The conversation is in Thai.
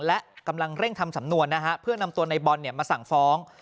และกำลังเร่งทำสำนวนนะฮะเพื่อนำตัวในบอลมาสั่งฟ้อง